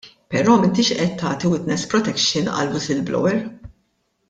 Però m'intix qed tagħti witness protection għall-whistleblower.